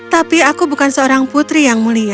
tapi aku bukan seorang putri yang mulia